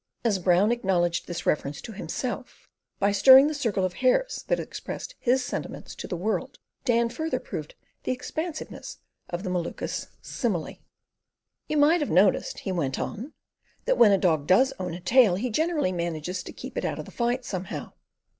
As Brown acknowledged this reference to himself, by stirring the circle of hairs that expressed his sentiments to the world, Dan further proved the expansiveness of the Maluka's simile. "You might have noticed," he went on, "that when a dog does own a tail he generally manages to keep it out of the fight somehow."